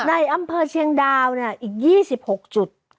ในอำเภอเชียงดาวอีก๒๖จุด